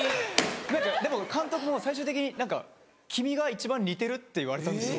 でも監督も最終的に何か「君が一番似てる」って言われたんですよ。